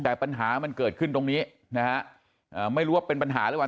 แต่ปัญหามันเกิดขึ้นตรงนี้นะฮะไม่รู้ว่าเป็นปัญหาหรือเปล่า